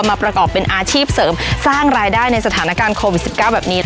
มาประกอบเป็นอาชีพเสริมสร้างรายได้ในสถานการณ์โควิด๑๙แบบนี้